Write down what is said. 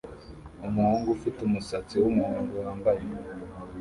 Umuhungu ufite umusatsi wumuhondo wambaye